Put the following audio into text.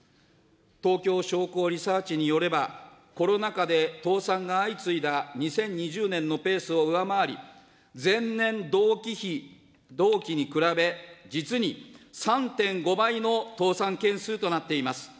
東京商工リサーチによれば、コロナ禍で倒産が相次いだ２０２０年のペースを上回り、前年同期比、同期に比べ、実に３．５倍の倒産件数となっています。